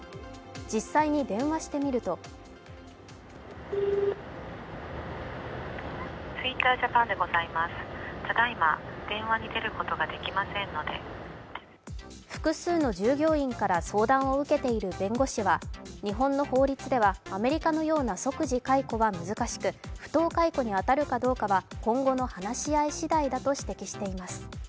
実際に電話してみると複数の従業員から相談を受けている弁護士は日本の法律ではアメリカのような即時解雇は難しく不当解雇に当たるかどうかは今後の話し合いしだいだと指摘しています。